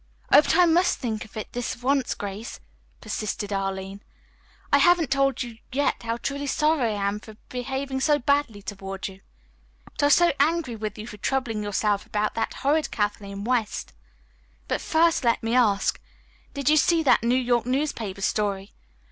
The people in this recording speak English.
"Oh, but I must think of it this once, Grace," persisted Arline. "I haven't told you yet how truly sorry I am for behaving so badly toward you. But I was so angry with you for troubling yourself about that horrid Kathleen West. But first let me ask: Did you see that New York newspaper story?